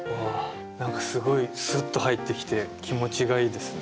何かすごいスッと入ってきて気持ちがいいですね。